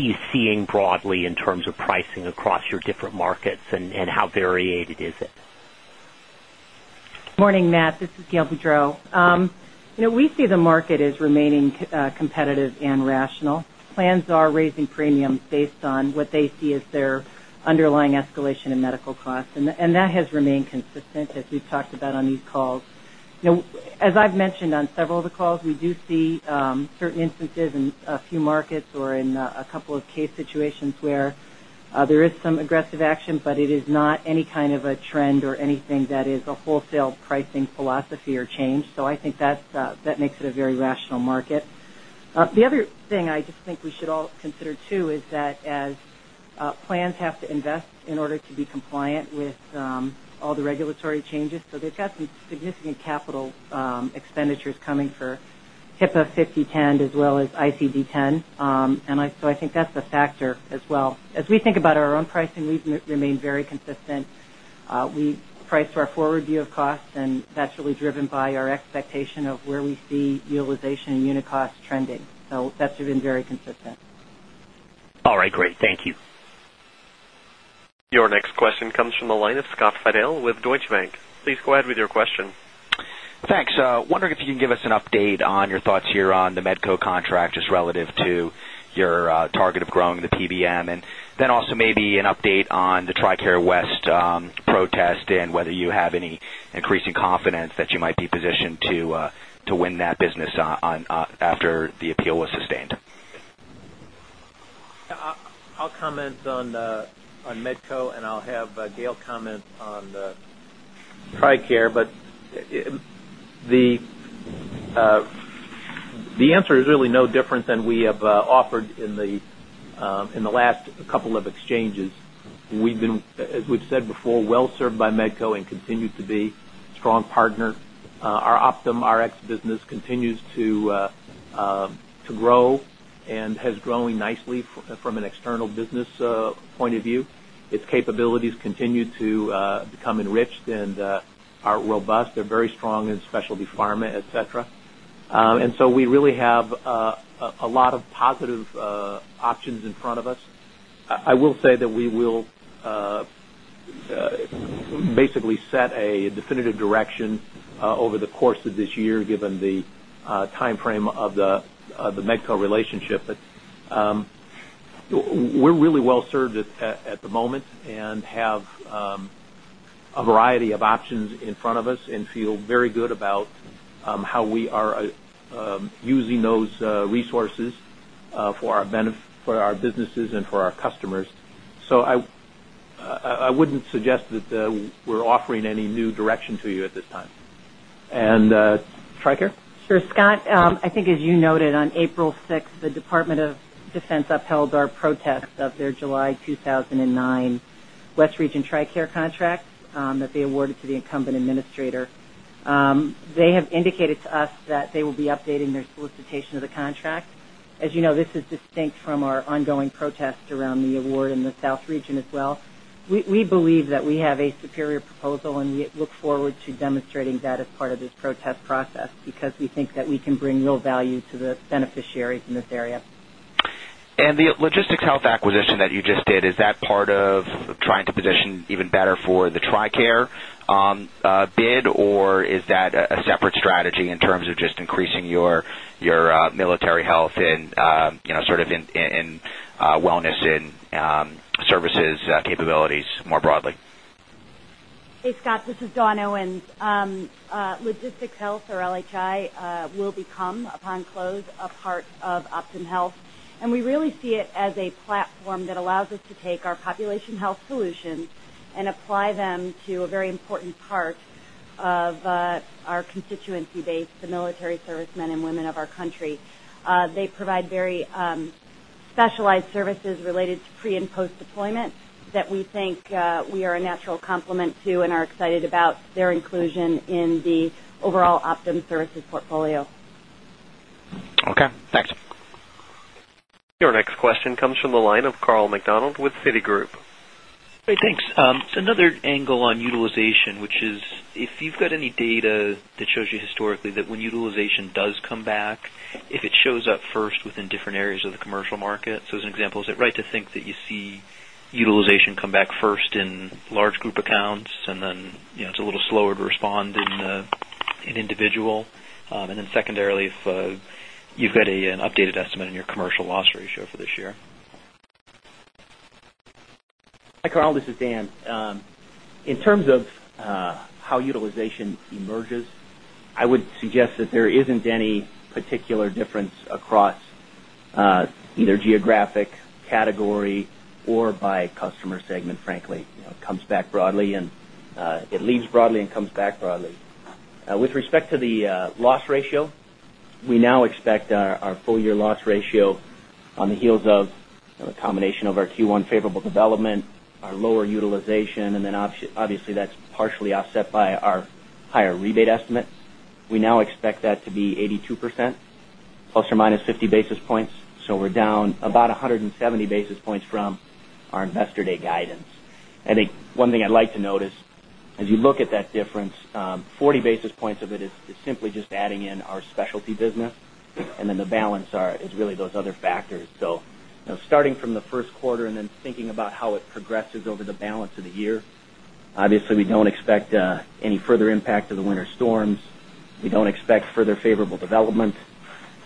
you seeing broadly in terms of pricing across your different markets, and how variated is it? Morning, Matt. This is Gail Boudreaux. We see the market as remaining competitive and rational. Plans are raising premiums based on what they see as their underlying escalation in medical costs. That has remained consistent, as we've talked about on these calls. As I've mentioned on several of the calls, we do see certain instances in a few markets or in a couple of case situations where there is some aggressive action, but it is not any kind of a trend or anything that is a wholesale pricing philosophy or change. I think that makes it a very rational market. The other thing I just think we should all consider too is that as plans have to invest in order to be compliant with all the regulatory changes, they've got some significant capital expenditures coming for HIPAA 5010 as well as ICD-10. I think that's a factor as well. As we think about our own pricing, we've remained very consistent. We price our forward view of costs, and that's really driven by our expectation of where we see utilization and unit costs trending. That's been very consistent. All right. Great. Thank you. Your next question comes from the line of [Scott Fadel] with Deutsche Bank. Please go ahead with your question. Thanks. Wondering if you can give us an update on your thoughts here on the Medco contract just relative to your target of growing the PBM. Also, maybe an update on the TRICARE West protest and whether you have any increasing confidence that you might be positioned to win that business after the appeal was sustained. I'll comment on Medco, and I'll have Gail comment on the TRICARE. The answer is really no different than we have offered in the last couple of exchanges. We've said before, well served by Medco and continued to be a strong partner. Our Optum Rx business continues to grow and is growing nicely from an external business point of view. Its capabilities continue to become enriched and are robust. They're very strong in specialty pharma, et cetera. We really have a lot of positive options in front of us. I will say that we will basically set a definitive direction over the course of this year, given the timeframe of the Medco relationship. We're really well served at the moment and have a variety of options in front of us and feel very good about how we are using those resources for our businesses and for our customers. I wouldn't suggest that we're offering any new direction to you at this time. And TRICARE? Sure. Scott, I think as you noted, on April 6, the Department of Defense upheld our protest of their July 2009 West Region TRICARE contracts that they awarded to the incumbent administrator. They have indicated to us that they will be updating their solicitation of the contract. As you know, this is distinct from our ongoing protests around the award in the South Region as well. We believe that we have a superior proposal, and we look forward to demonstrating that as part of this protest process because we think that we can bring real value to the beneficiaries in this area. Is the Logistics Health acquisition that you just did part of trying to position even better for the TRICARE bid, or is that a separate strategy in terms of just increasing your military health and sort of wellness and services capabilities more broadly? Hey, Scott. This is Dawn Owens. Logistics Health, or LHI, will become, upon close, a part of Optum Health. We really see it as a platform that allows us to take our population health solutions and apply them to a very important part of our constituency base, the military servicemen and women of our country. They provide very specialized services related to pre and post-deployment that we think we are a natural complement to and are excited about their inclusion in the overall Optum services portfolio. Okay. Thanks. Your next question comes from the line of Carl McDonald with Citigroup. All right. Thanks. It's another angle on utilization, which is if you've got any data that shows you historically that when utilization does come back, if it shows up first within different areas of the commercial market. As an example, is it right to think that you see utilization come back first in large group accounts, and then it's a little slower to respond in an individual? Secondarily, if you've got an updated estimate in your commercial loss ratio for this year. Hi, Carl. This is Dan. In terms of how utilization emerges, I would suggest that there isn't any particular difference across either geographic category or by customer segment, frankly. It comes back broadly, and it leaves broadly, and comes back broadly. With respect to the loss ratio, we now expect our full-year loss ratio on the heels of a combination of our Q1 favorable development, our lower utilization, and then obviously, that's partially offset by our higher rebate estimate. We now expect that to be 82% ± 50 basis points. We are down about 170 basis points from our Investor Day guidance. One thing I'd like to note is as you look at that difference, 40 basis points of it is simply just adding in our specialty business, and then the balance is really those other factors. Starting from the first quarter and then thinking about how it progresses over the balance of the year, we don't expect any further impact of the winter storms. We don't expect further favorable development.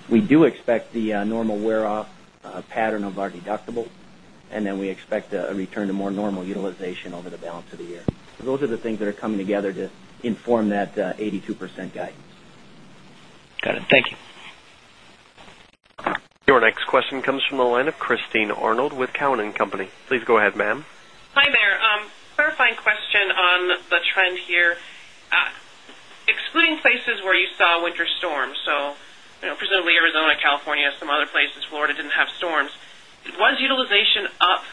We do expect the normal wear-off pattern of our deductible, and then we expect a return to more normal utilization over the balance of the year. Those are the things that are coming together to inform that 82% guidance. Got it. Thank you. Your next question comes from the line of Christine Arnold with Cowen & Company. Please go ahead, ma'am. Hi there. Clarifying question on the trend here. Excluding places where you saw winter storms, so presumably Arizona, California, some other places, Florida didn't have storms. Was utilization up,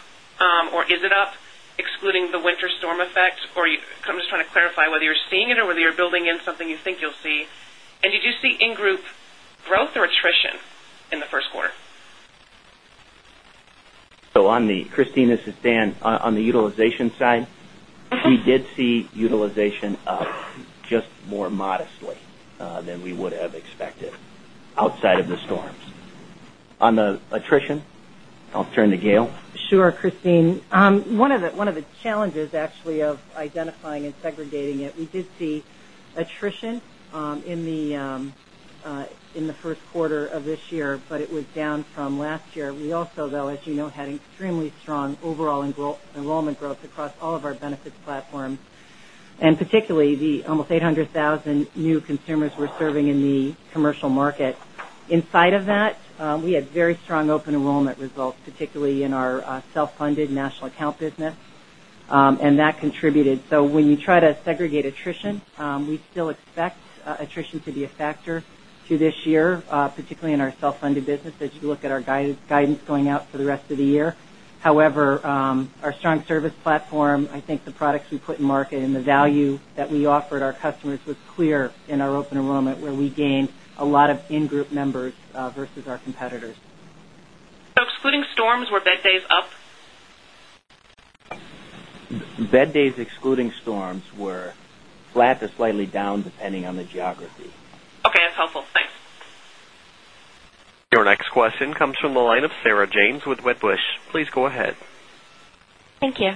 or is it up, excluding the winter storm effect? I'm just trying to clarify whether you're seeing it or whether you're building in something you think you'll see. Did you see in-group growth or attrition in the first quarter? On the Christine, this is Dan. On the utilization side, we did see utilization up just more modestly than we would have expected outside of the storms. On the attrition, I'll turn to Gail. Sure, Christine. One of the challenges, actually, of identifying and segregating it, we did see attrition in the first quarter of this year, but it was down from last year. We also, as you know, had extremely strong overall enrollment growth across all of our benefits platforms, particularly the almost 800,000 new consumers we're serving in the commercial market. Inside of that, we had very strong open enrollment results, particularly in our self-funded national account business, and that contributed. When you try to segregate attrition, we still expect attrition to be a factor this year, particularly in our self-funded business as you look at our guidance going out for the rest of the year. However, our strong service platform, I think the products we put in market and the value that we offered our customers was clear in our open enrollment where we gained a lot of in-group members versus our competitors. Excluding storms, were bed days up? Bed days, excluding storms, were flat to slightly down depending on the geography. Okay, that's helpful. Thanks. Your next question comes from the line of Sarah James with Wedbush. Please go ahead. Thank you.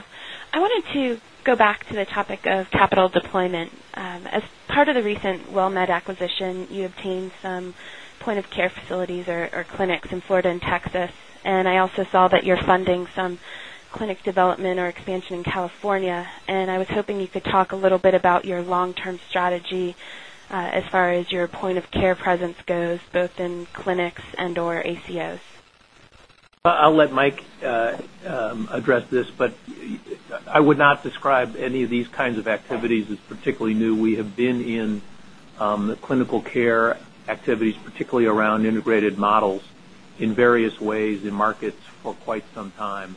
I wanted to go back to the topic of capital deployment. As part of the recent WellMed acquisition, you obtained some point-of-care facilities or clinics in Florida and Texas. I also saw that you're funding some clinic development or expansion in California. I was hoping you could talk a little bit about your long-term strategy as far as your point-of-care presence goes, both in clinics and/or ACOs. I'll let Mike address this, but I would not describe any of these kinds of activities as particularly new. We have been in clinical care activities, particularly around integrated models in various ways in markets for quite some time.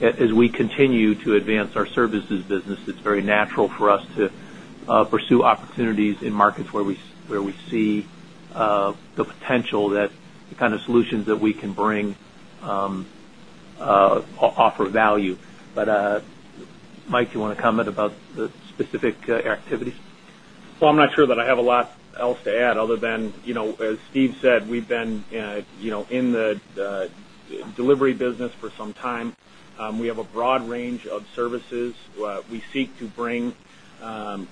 As we continue to advance our services business, it's very natural for us to pursue opportunities in markets where we see the potential that the kind of solutions that we can bring offer value. Mike, do you want to comment about the specific activities? I'm not sure that I have a lot else to add other than, you know, as Steve said, we've been in the delivery business for some time. We have a broad range of services. We seek to bring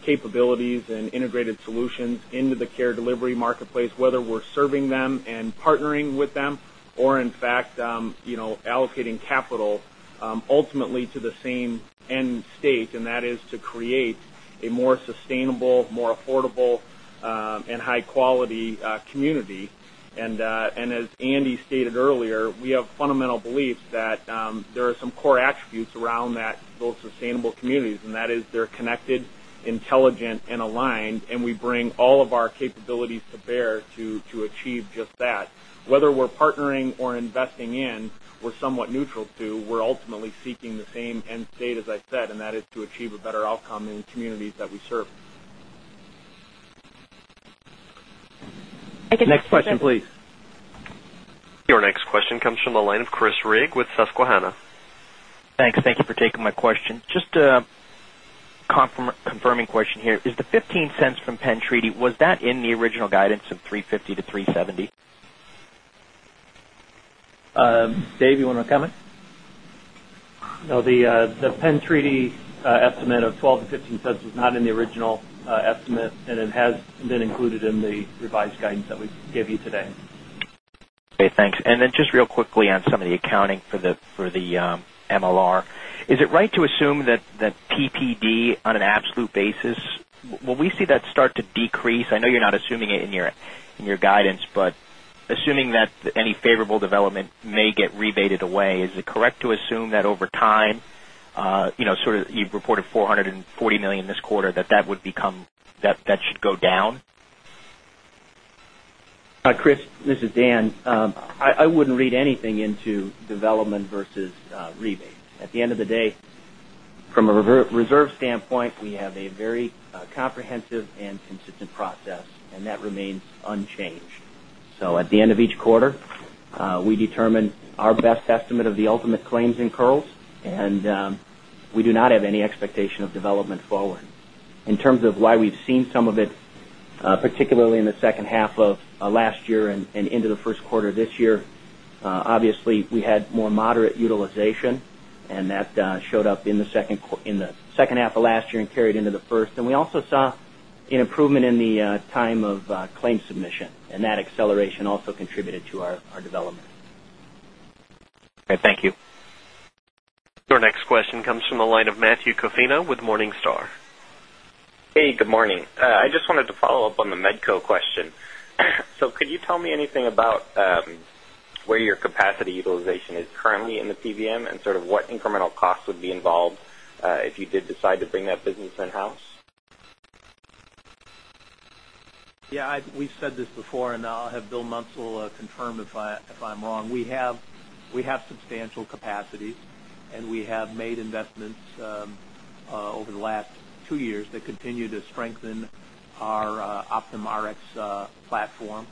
capabilities and integrated solutions into the care delivery marketplace, whether we're serving them and partnering with them or, in fact, you know, allocating capital ultimately to the same end state, and that is to create a more sustainable, more affordable, and high-quality community. As Andy stated earlier, we have a fundamental belief that there are some core attributes around those sustainable communities, and that is they're connected, intelligent, and aligned, and we bring all of our capabilities to bear to achieve just that. Whether we're partnering or investing in, we're somewhat neutral too. We're ultimately seeking the same end state, as I said, and that is to achieve a better outcome in the communities that we serve. Next question, please. Your next question comes from the line of Chris Rigg with Susquehanna. Thanks. Thank you for taking my question. Just a confirming question here. Is the $0.15 from Penn Treaty, was that in the original guidance of $3.50-$3.70? Steve, you want to comment? No, the Penn Treaty estimate of $0.12-$0.15 was not in the original estimate, and it has been included in the revised guidance that we gave you today. Okay. Thanks. Just real quickly on some of the accounting for the MLR, is it right to assume that PPD on an absolute basis, when we see that start to decrease, I know you're not assuming it in your guidance, but assuming that any favorable development may get rebated away, is it correct to assume that over time, you know, sort of you've reported $440 million this quarter, that that would become, that that should go down? Chris, this is Dan. I wouldn't read anything into development versus rebate. At the end of the day, from a reserve standpoint, we have a very comprehensive and consistent process, and that remains unchanged. At the end of each quarter, we determine our best estimate of the ultimate claims and accruals, and we do not have any expectation of development forward. In terms of why we've seen some of it, particularly in the second half of last year and into the first quarter of this year, obviously, we had more moderate utilization, and that showed up in the second half of last year and carried into the first. We also saw an improvement in the time of claim submission, and that acceleration also contributed to our development. Okay, thank you. Your next question comes from the line of Matthew Coffina with Morningstar. Hey, good morning. I just wanted to follow up on the Medco question. Could you tell me anything about where your capacity utilization is currently in the PBM and what incremental costs would be involved if you did decide to bring that business in-house? Yeah. We've said this before, and I'll have Bill Munsell confirm if I'm wrong. We have substantial capacities, and we have made investments over the last two years that continue to strengthen our Optum Rx platform.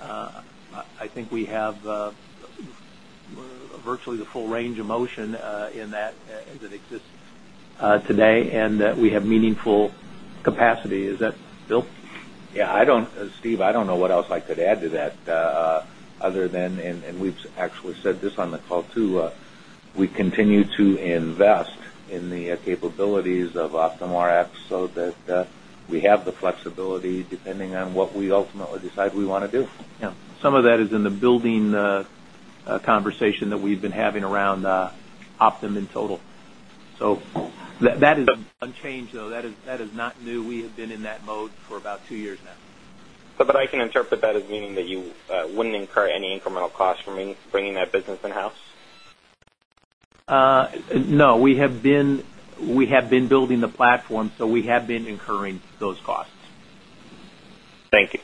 I think we have virtually the full range of motion in that as it exists today, and we have meaningful capacity. Is that, Bill? Yeah. I don't know what else I could add to that other than, and we've actually said this on the call too, we continue to invest in the capabilities of Optum Rx so that we have the flexibility depending on what we ultimately decide we want to do. Some of that is in the building conversation that we've been having around Optum in total. That is unchanged, though. That is not new. We have been in that mode for about two years now. I can interpret that as meaning that you wouldn't incur any incremental costs from bringing that business in-house? No, we have been building the platform, so we have been incurring those costs. Thank you.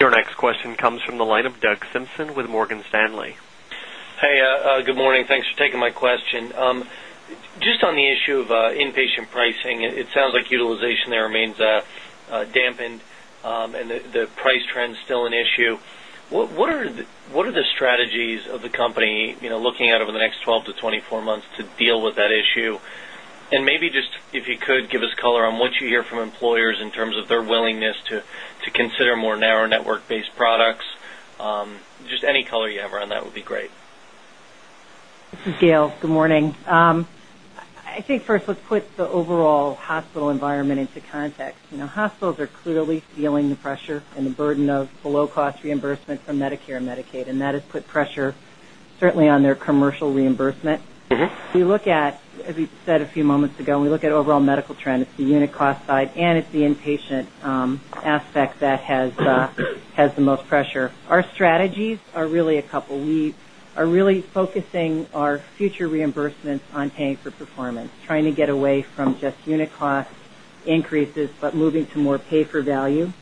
Your next question comes from the line of Doug Simpson with Morgan Stanley. Hey, good morning. Thanks for taking my question. Just on the issue of inpatient pricing, it sounds like utilization there remains dampened, and the price trend is still an issue. What are the strategies of the company, you know, looking at over the next 12-24 months to deal with that issue? Maybe just if you could give us color on what you hear from employers in terms of their willingness to consider more narrow network-based products. Any color you have around that would be great. This is Gail. Good morning. I think first, let's put the overall hospital environment into context. You know, hospitals are clearly feeling the pressure and the burden of the low-cost reimbursement from Medicare and Medicaid, and that has put pressure certainly on their commercial reimbursement. If you look at, as we said a few moments ago, when we look at overall medical trends, the unit cost side, and it's the inpatient aspect that has the most pressure. Our strategies are really a couple. We are really focusing our future reimbursements on paying for performance, trying to get away from just unit cost increases, but moving to more pay-for-value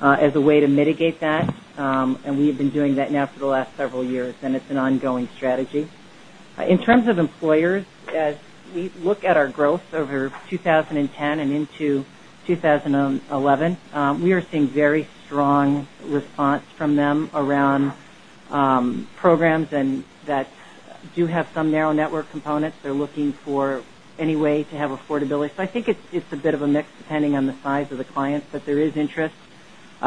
as a way to mitigate that. We have been doing that now for the last several years, and it's an ongoing strategy. In terms of employers, as we look at our growth over 2010 and into 2011, we are seeing very strong response from them around programs that do have some narrow network components. They're looking for any way to have affordability. I think it's a bit of a mix depending on the size of the clients, but there is interest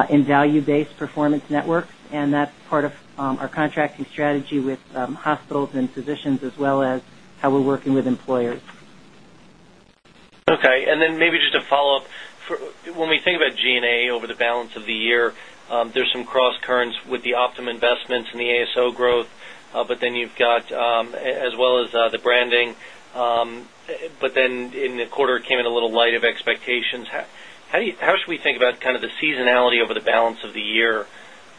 in value-based performance networks, and that's part of our contracting strategy with hospitals and physicians as well as how we're working with employers. Okay. Maybe just a follow-up. When we think about G&A over the balance of the year, there's some cross-currents with the Optum investments and the ASO growth, as well as the branding. In the quarter, it came in a little light of expectations. How should we think about the seasonality over the balance of the year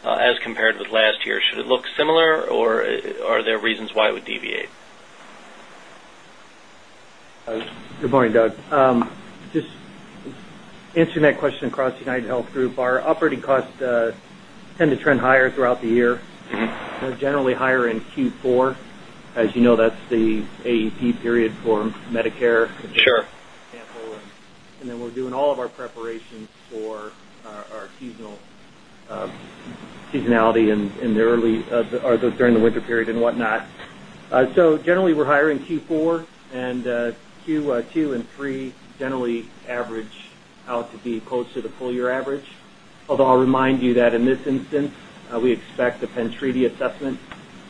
as compared with last year? Should it look similar, or are there reasons why it would deviate? Good morning, Doug. Just answering that question across the UnitedHealth Group, our operating costs tend to trend higher throughout the year. They're generally higher in Q4. As you know, that's the AEP period for Medicare. Sure. Example. We are doing all of our preparations for our seasonality and the early or during the winter period and whatnot. Generally, we're hiring Q4, and Q2 and Q3 generally average out to be close to the full-year average. I'll remind you that in this instance, we expect the Penn Treaty assessment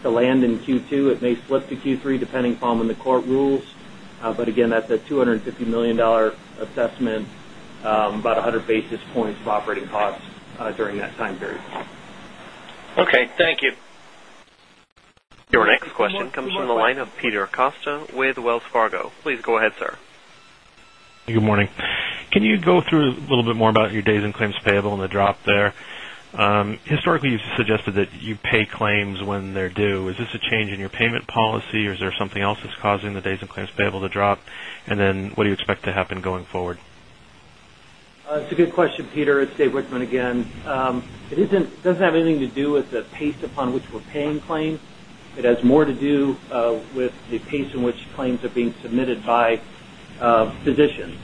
to land in Q2. It may slip to Q3 depending upon when the court rules. Again, that's a $250 million assessment, about 100 basis points of operating costs during that time period. Okay, thank you. Your next question comes from the line of Peter Acosta with Wells Fargo. Please go ahead, sir. Good morning. Can you go through a little bit more about your days and claims payable and the drop there? Historically, you've suggested that you pay claims when they're due. Is this a change in your payment policy, or is there something else that's causing the days and claims payable to drop? What do you expect to happen going forward? That's a good question, Peter. It's Dave Wichmann again. It doesn't have anything to do with the pace upon which we're paying claims. It has more to do with the pace in which claims are being submitted by physicians.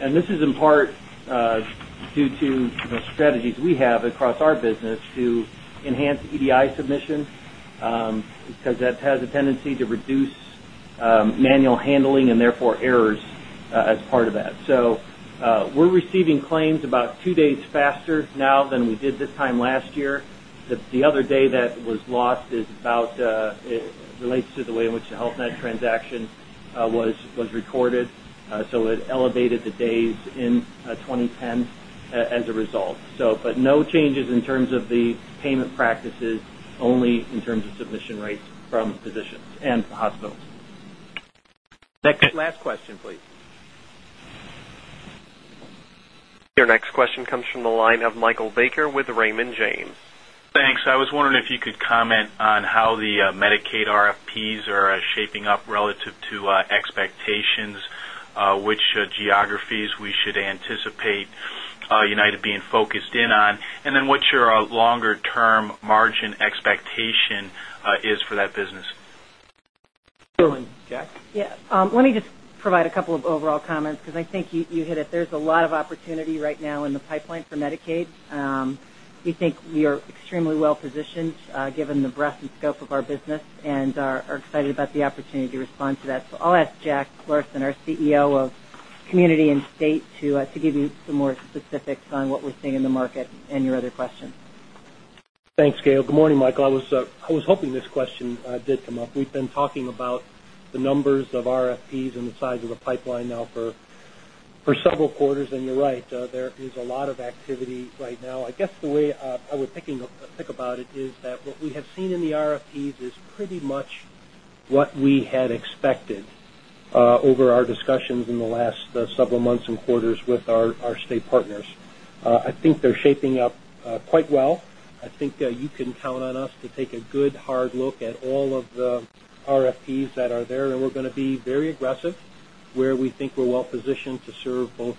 This is in part due to the strategies we have across our business to enhance EDI submission because that has a tendency to reduce manual handling and therefore errors as part of that. We're receiving claims about two days faster now than we did this time last year. The other day that was lost relates to the way in which the Health Net transaction was recorded. It elevated the days in 2010 as a result. No changes in terms of the payment practices, only in terms of submission rates from physicians and the hospitals. Last question, please. Your next question comes from the line of Michael Baker with Raymond James. Thanks. I was wondering if you could comment on how the Medicaid RFPs are shaping up relative to expectations, which geographies we should anticipate United being focused in on, and what your longer-term margin expectation is for that business. Sure. Jack? Let me just provide a couple of overall comments because I think you hit it. There's a lot of opportunity right now in the pipeline for Medicaid. We think you're extremely well-positioned given the breadth and scope of our business and are excited about the opportunity to respond to that. I'll ask Jack Larsen, our CEO of Community and State, to give you some more specifics on what we're seeing in the market and your other question. Thanks, Gail. Good morning, Michael. I was hoping this question did come up. We've been talking about the numbers of RFPs and the size of the pipeline now for several quarters, and you're right. There is a lot of activity right now. I guess the way I would think about it is that what we have seen in the RFPs is pretty much what we had expected over our discussions in the last several months and quarters with our state partners. I think they're shaping up quite well. I think you can count on us to take a good hard look at all of the RFPs that are there, and we're going to be very aggressive where we think we're well-positioned to serve both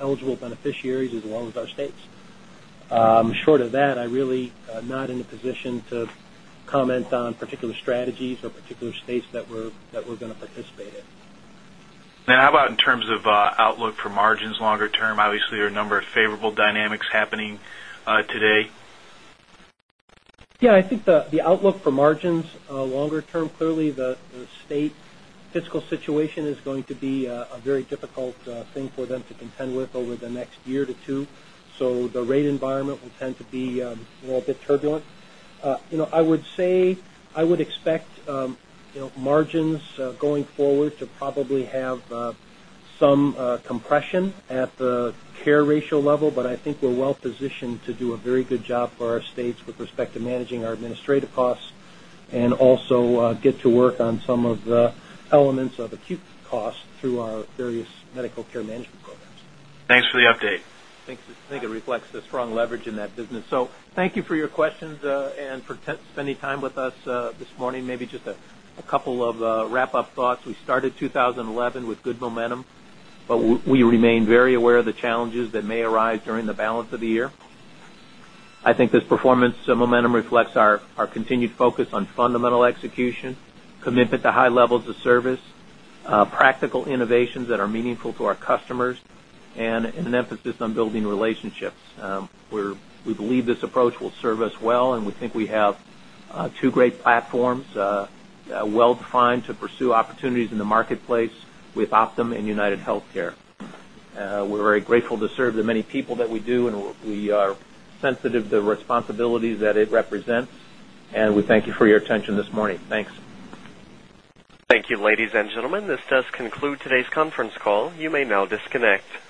eligible beneficiaries as well as our states. Short of that, I'm really not in a position to comment on particular strategies or particular states that we're going to participate in. Now, how about in terms of outlook for margins longer-term? Obviously, there are a number of favorable dynamics happening today. I think the outlook for margins longer-term, clearly, the state fiscal situation is going to be a very difficult thing for them to contend with over the next year to two. The rate environment will tend to be a little bit turbulent. I would expect margins going forward to probably have some compression at the share ratio level, but I think we're well-positioned to do a very good job for our states with respect to managing our administrative costs and also get to work on some of the elements of acute costs through our various medical care management programs. Thanks for the update. Thanks. I think it reflects the strong leverage in that business. Thank you for your questions and for spending time with us this morning. Maybe just a couple of wrap-up thoughts. We started 2011 with good momentum, but we remain very aware of the challenges that may arise during the balance of the year. I think this performance momentum reflects our continued focus on fundamental execution, commitment to high levels of service, practical innovations that are meaningful to our customers, and an emphasis on building relationships. We believe this approach will serve us well, and we think we have two great platforms well-defined to pursue opportunities in the marketplace with Optum and UnitedHealthcare. We're very grateful to serve the many people that we do, and we are sensitive to the responsibilities that it represents. We thank you for your attention this morning. Thanks. Thank you, ladies and gentlemen. This does conclude today's conference call. You may now disconnect.